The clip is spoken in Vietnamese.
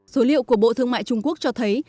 số liệu của bộ thương mại trung quốc cho thấy